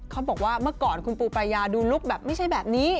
เขาบอกว่าเมื่อก่อนคุณปูปรายาดูลุคแบบไม่ใช่แบบนี้